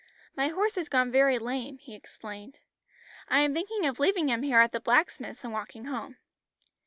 "My horse has gone very lame," he explained. "I am thinking of leaving him here at the blacksmith's and walking home."